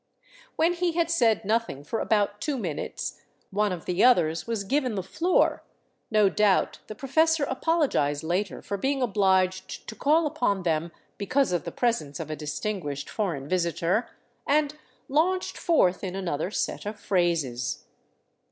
When he had said nothing for about two minutes, one of the others was given the floor — no doubt the professor apologized later for being obliged to call upon them because of the presence of a distinguished foreign visitor — and launched forth in another set of phrases.